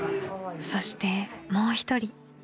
［そしてもう一人］